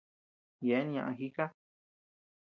Yeabean ñaʼä jika.